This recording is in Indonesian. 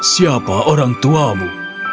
siapa orang tuamu